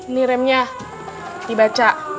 nih remnya dibaca